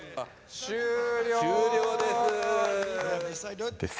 終了です。